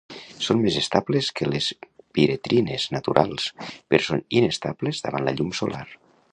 Són més estables que les piretrines naturals, però són inestables davant la llum solar.